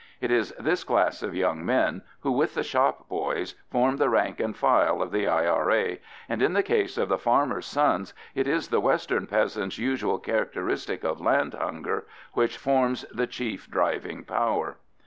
It is this class of young men who, with the shop boys, form the rank and file of the I.R.A., and in the case of the farmers' sons it is the western peasants' usual characteristic of "land hunger" which forms the chief driving power.